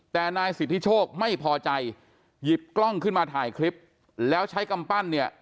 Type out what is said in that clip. แต่นายสิทธิโชคไม่พอใจหยิบกล้องขึ้นมาถ่ายคลิปแล้วใช้กำปั้นเนี่ย